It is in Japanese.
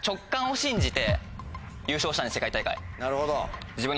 なるほど。